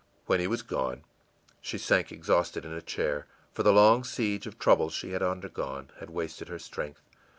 î When he was gone, she sank exhausted in a chair, for the long siege of troubles she had undergone had wasted her strength.